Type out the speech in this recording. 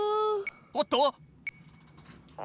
おっと？